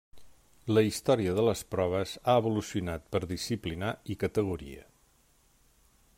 La història de les proves ha evolucionat per disciplinar i categoria.